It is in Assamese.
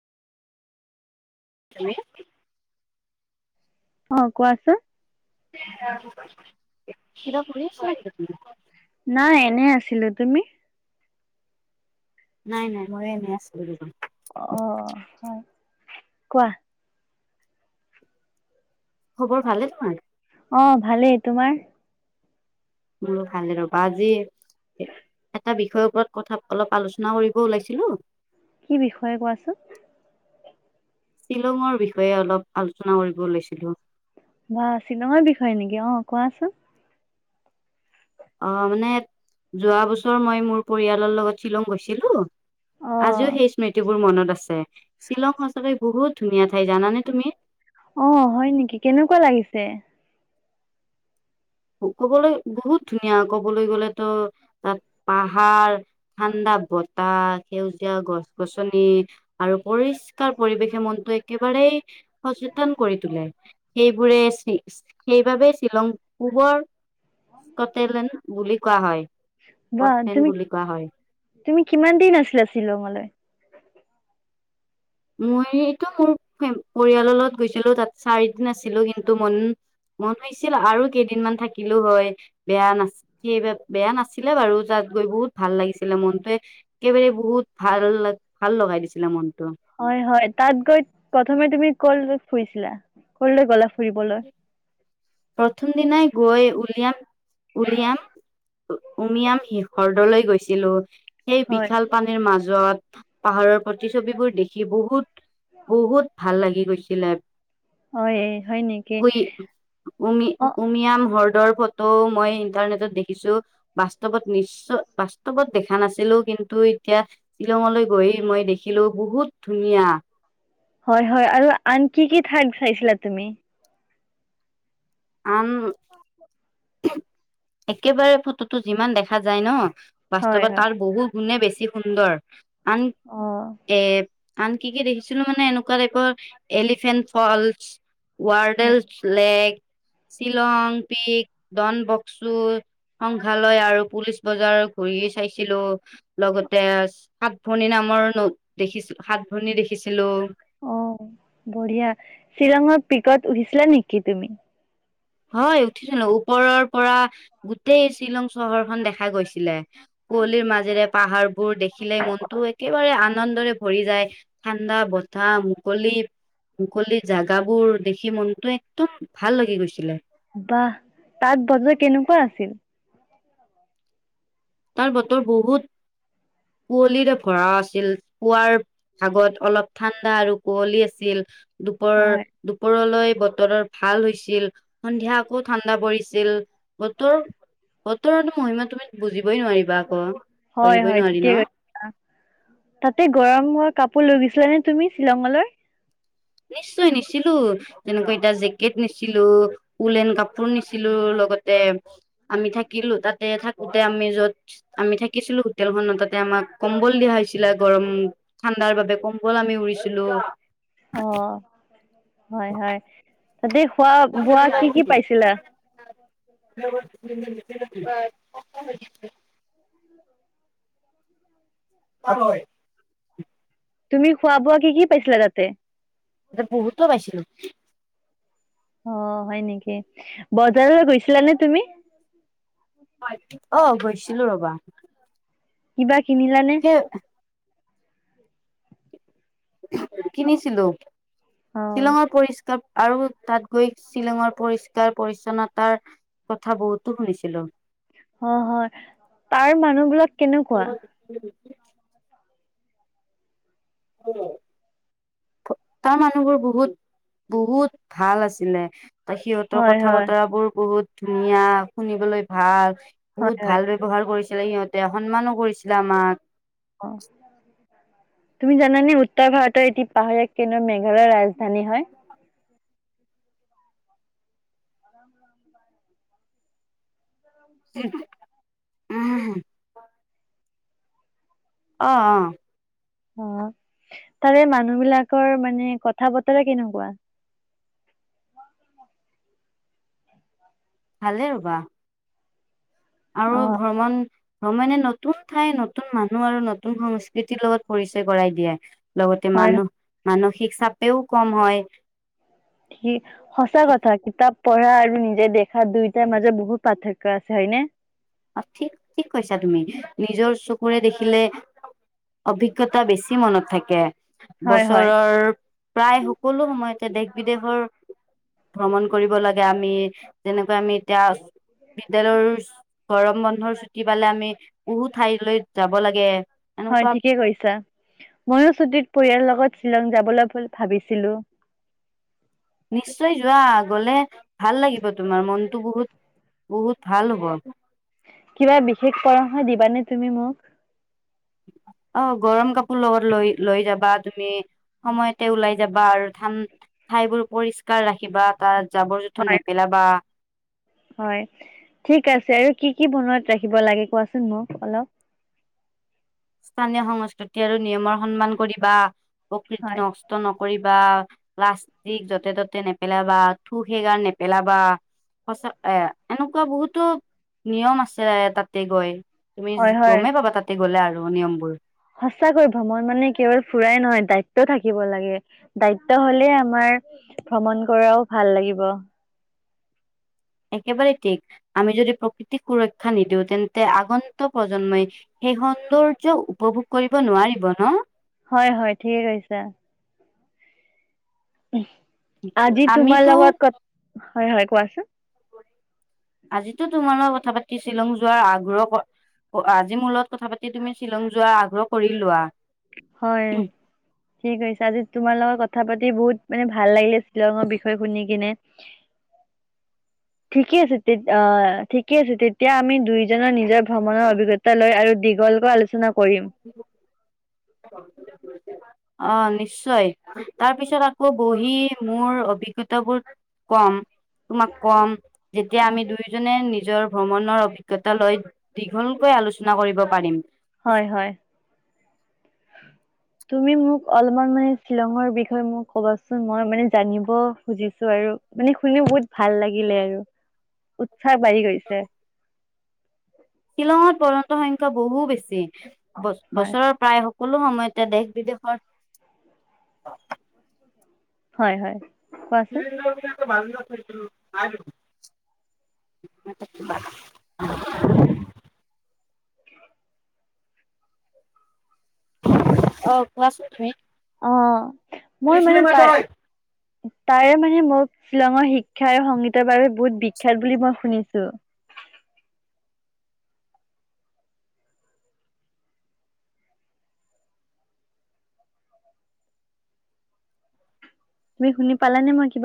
তুমি? অ কোৱাচোন। কিবা কৰি আছিলা নেকি? নাই এনে আছিলো তুমি। নাই নাই মইও এনেই আছিলো। অহ হয় কোৱা? খবৰ ভালে তোমাৰ। অ ভালেই তোমাৰ। মোৰো ভালে ৰবা আজি এটা বিষয়ৰ ওপৰত কথা অলপ আলোচনা কৰিব ওলাইছিলো। কি বিষয়ে কোৱাচোন? শ্বিলংৰ বিষয়ে অলপ আলোচনা কৰিব ওলাইছিলো। বা চিনেমাৰ বিষয়ে নেকি অ কোৱাচোন। অ মানে যোৱা বছৰ মই মোৰ পৰিয়ালৰ লগত শ্বিলং গৈছিলো। অ আজিও সেই স্মৃতিবোৰ মনত। আছে। শ্বিলং সচাকে বহুত। ধুনীয়া ঠাই জানানে তুমি। অ হয় নেকি কেনেকুৱা লাগিছে কবলৈ বহুত ধুনীয়া কবলৈ গলেতো তাত পাহাৰ ঠাণ্ডা বতাহ সেউজীয়া গছ গছনি আৰু পৰিষ্কাৰ পৰিৱেশে মনটো একেবাৰেই। সচেতন কৰি তোলে সেইবোৰে সেইবাবে শ্বিলং পূবৰ কতেলেন বুলিক কোৱা হয় বা স্কটলেণ্ড তুমি বুলি কোৱা হয় তুমি কিমান দিন আছিলা শ্বিলংলৈ মইতো মোৰ পৰিয়ালৰ লগত গৈছিলো তাত চাৰিদিন আছিলো কিন্তু মন মন হৈছিল আৰু কেইদিনমান থাকিলো হয় বেয়া না স বেয়া নাছিলে বাৰু তাত গৈ বহুত ভাল লাগিছিলে মনটোৱে একেবাৰে বহুত ভাল ভাল লগাই দিছিলে মনটো। হয় হয় তাত গৈ প্ৰথমে তুমি কল ফুৰিছিলা কলে গ'লা ফুৰিবলৈ প্ৰথম দিনাই গৈ উলিয়াম। উলিয়াম উমিয়াম শিষৰ্দলৈ গৈছিলো। সেই হয় বিশাল পানীৰ মাজত যত পাহাৰৰ প্ৰতিছবিবোৰ দেখি বহুত বহুত ভাল লাগিল। গৈছিলে হয় হয় নেকি উই উমি অ উমিয়াম ৰ ফটো মই ইন্টাৰনেটত দেখিছো বাস্তৱত নিশ্চ বাস্তৱত দেখা নাছিলো কিন্তু এতিয়া শ্বিলঙলৈ গৈ মই দেখিলো বহুত ধুনীয়া। হয় হয় আৰু আন কি কি ঠাইত চাইছিলা তুমি? আন একেবাৰে ফটোতটো যিমান দেখা যায় ন হয় বাস্তৱত হয় তাৰ বহুত গুণে বেছি সুন্দৰ। আন অ এ আনকি কি দেখিছিলো মানে এনেকুৱা টাইপৰ এলিফেণ্ট ফলচ। হয় Wards lake. Shillong peak Don বক্সু সংগ্ৰালয় আৰু পুলিচ বজাৰ ঘূৰি চাইছিলো লগতে সাত ভনী নামৰ ন দেখিছিল সাত ভনী দেখিছিলো। অ বঢ়িয়া শ্বিলঙত, পিকত উঠিছিলা নেকি তুমি? হয় উঠিছিলো ওপৰৰ পৰা গোটেই শ্বিলং চহৰখনন দেখা গৈছিলে। কুঁৱলীৰ মাজেৰে এক। পাহাৰ বোৰ দেখিলে মনতটো একেবাৰে আনন্দৰে ভৰি যায় ঠাণ্ডা বতাহ মুকলি মুকলিৰ জাগাবোৰ দেখি মনটো একদম ভাল লাগি গৈছিলে। বাহ তাত বজাৰ কেনেকুৱা আছিল? তাৰ বতৰ বহুত কুঁৱলীৰে ভৰা আছিল পুৱাৰ ভাগত অলপ ঠাণ্ডা আৰু কুঁৱলী আছিল। দুপৰৰ হয়, দুপৰলৈ বতৰৰ। ভাল হৈছিল সন্ধিয়া আকৌ ঠাণ্ডা পৰিছিল বতৰ বতৰতো মহিমা তুমি বুজি, বহ নোৱাৰিবা ক। হয় হয় ঠিকে কৈছা তাতে গৰম হোৱা কাপ। লৈ গৈছিলা নে তুমি শ্বিলঙলৈ। নিশ্চয় নিছিলো যেনেকৈ এতিয়া জেকেট নিছিলো উুলন কাপোৰ নিছিলো লগতে আমি থাকিলো তাতে থাকোতে আমি যত আমি থাকিছিলো হোটেলখনত তাতে আমাক কম্বল দিয়া হৈছিলে গৰম ঠাণ্ডাৰ বাবে কম্বল আমি উৰিছিলো। অ হয় হয় তাতে খোৱা বোৱা কি কি পাইছিলা? [unintelligible] হয়। তুমি খোৱা বোৱা কি কি পাইছিলা তাতে? এয়া বহুতো পাইছিলো। অ হয় নেকি, বজাৰলৈ গৈছিলা নে তুমি? অঁ গৈছিলো ৰবা। কি- কিনিলানে? সেই কিনিছিলো। অ', শ্বিলঙৰ পৰিষ্কাৰ, আৰু তাত গৈ শ্বিলঙৰ পৰিষ্কাৰ পৰিচ্ছন্নতাৰ কথা বহুতো শুনিছিলো, অঁ, হয় তাৰ মানুহ বিলাক কেনেকুৱা? তাৰ মানুহবোৰ বহুত বহুত ভাল আছিলে। সিহঁতৰ হয়, কথা হয়, বতৰা বোৰ বহুত, ধুনীয়া শুনিবলৈ ভাল, হয়, বহুত হয় ভাল ব্যৱহাৰ কৰিছে। সিহঁতে সন্মাননো কৰিছিলে আমাক। অ তুমি জানানে উত্তৰ ভাৰতৰ এটি পাহাৰীয়া কেন্দ্ৰ মেঘালয় ৰাজধানী হয়। সেটো উ [unintelligible] অঁ অঁ! অঁ তাৰে মানুহ বিলাকৰ মানে কথা বতৰা কেনেকুৱা? ভালেই ৰবা আৰু অ', ভ্ৰমণ ভ্ৰমণে নতুন ঠাই নতুন নতুন মানুহ আৰু নতুন সংস্কৃতিৰ লগত পৰিচয় কৰাই দিয়ে লগতে হয় মানুহ মানুহ ঠিক চাপেও কম হয় কি সঁচা কথা কিতাপ পঢ়া আৰু নিজে দেখা দুয়োটাৰ মাজত বহুত পাৰ্থক্য আছে হয়নে অ ঠিক ঠিক কৈছা তুমি নিজৰ চকুৰে দেখিলে অভিজ্ঞতা বেছি মনত থাকে হয়, হয়, বছৰৰ প্ৰায় সকলো সময়তে দেশ বিদেশৰ ভ্ৰমণ কৰিব লাগে আমি যেনেকৈ আমি এতিয়া বিদ্যালয়ৰ গৰম বন্ধৰ ছুটি পালে আমি বহু ঠাইলৈ যাব লাগে হয় এনেকুৱা ঠিকে কৈছা ময়ো ছুটিত পৰিয়াল লগত শ্বিলং যাবলৈ ভাবিছিলো নিশ্চয় যোৱা গলে ভাল লাগিব তোমাৰ মনতটো বহুত বহুত ভাল হ'ব আৰু কিবা বিশেষ পৰামৰ্শ দিবানে তুমি মোক অ গৰম কাপোৰ লগত লৈ লৈ যাবা তুমি সময়তে ওলাই যাবা আৰু ঠাইবোৰ পৰিষ্কাৰ ৰাখিবা তাত জাবৰ জোঁথৰ হয়, নেপেল বা হয় ঠিক আছে কি কি মনত ৰাখিব লাগে কোৱাচোন মোক অলপ স্থানীয় সংস্কৃতি আৰু নিয়মৰ সন্মান কৰিবা প্ৰকৃতি হয়, নষ্ট নকৰি বা প্লাষ্টিক য'তে ত'তে নেপেলাবা থু খেকাৰ নেপেলাবা সঁচা এ এনেকুৱা বহুতো নিয়ম আছে তাতে গৈ তুমি হয়, হয়। গমে পাবা তাতে গলে আ নিয়মবোৰ সঁচাকৈ ভ্ৰমণ মানে কেৱল ফুৰাই নহয় দায়িত্ব থাকিব লাগে দায়িত্ব হলে আমাৰ ভ্ৰমণ কৰাও ভাল লাগিব একেবাৰে ঠিক আমি যদি প্ৰকৃতিক সুৰক্ষা নিদিওঁ তেন্তে আগন্ত প্ৰজন্মই সেই সৌন্দৰ্য উপভোগ কৰিব নোৱাৰিব ন হয় হয় ঠিকে কৈছে। আজি তোমাৰ আমিতো লগত ক'ত হয় হয় কোৱাচোন আজিতো তোমাৰ লগত কথা পাতি শ্বিলং যোৱাৰ আগ্ৰহ আজি মূলত কথা পাতি তুমি শ্বিলং যোৱাৰ আগ্ৰহ কৰি লোৱা। হয় ঠিক কৈছা আজি তোমাৰ লগত ক'ত কথা কথা পাতি বহুত মানে ভাল লাগিলে শ্বিলঙৰ বিষয়ে শুনি কিনে, ঠিকে আছে আহ ঠিকে আছে তেতিয়া আমি দুয়োজনৰ নিজৰ ভ্ৰমণৰ অভিজ্ঞতা লৈ আৰু দীঘলকৈ আলোচনা কৰিম অ নিশ্চয় তাৰ পিছত আকৌ বহি মোৰ অভিজ্ঞতাবোৰ কম তোমাক কম যেতিয়া অ আমি দুয়োজনে নি নিজৰ ভ্ৰমণৰ অভিজ্ঞতা লৈ দীঘলকৈ আলোচনা কৰিব পাৰিম। হয় হয় তুমি মোক অলপমান মানে শ্বিলঙৰ বিষয়ে মোক কবাচোন মই মানে জানিব খুজিছো আৰু মানে শুনি বহুত ভাল লাগিলে আৰু। চাক বাঢ়ি গৈছে। শ্বিলঙত পৰ্যন্তন সংখ্যা বহু বেছি। বছ হয় বছৰৰ প্ৰায় হওক। সকলো সময়তে দেশ বিদেশৰ। হয় হয়। কোৱাচোন [unintelligible] [unintelligible] অ কোৱা চোন তুমি। অ মই মানে তাৰ। তাৰে মানে মোক শ্বিলঙৰ শিক্ষা আৰু সংগীতৰ বাবে বহুত বিখ্যাত বুলি মই শুনিছো। তুমি শুনি পালানে মই কিবা।